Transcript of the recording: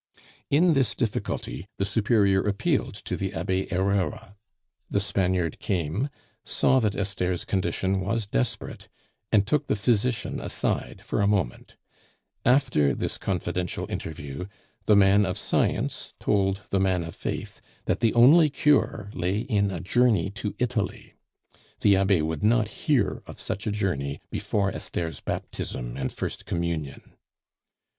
In this difficulty the Superior appealed to the Abbe Herrera. The Spaniard came, saw that Esther's condition was desperate, and took the physician aside for a moment. After this confidential interview, the man of science told the man of faith that the only cure lay in a journey to Italy. The Abbe would not hear of such a journey before Esther's baptism and first Communion.